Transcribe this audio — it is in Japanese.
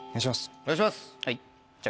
お願いします。